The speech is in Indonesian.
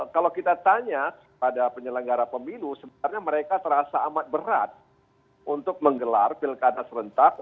kalau kita tanya pada penyelenggara pemilu sebenarnya mereka terasa amat berat untuk menggelar pilkada serentak